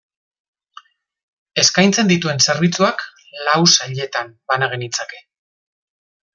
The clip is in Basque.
Eskaintzen dituen zerbitzuak lau sailetan bana genitzake.